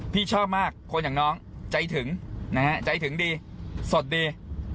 พี่ชอบมากคนอย่างน้องใจถึงนะฮะใจถึงดีสดดี